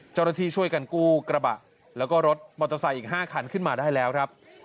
เจ้าหน้าที่ช่วยกันกู้กระบะแล้วก็รถมอเตอร์ไซค์อีก๕คันขึ้นมาได้แล้วครับ